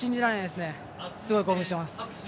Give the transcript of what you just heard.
すごい興奮しています。